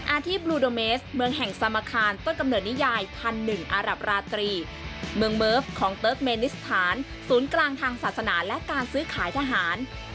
อาทิตย์บลูโดเมสเมืองแห่งสามคารต้นกำเนิดนิยายพันหนึ่งอารับราตรีเมืองเมิร์ฟของเติร์กเมนิสถานศูนย์กลางทางศาสนาและการซื้อขายทหาร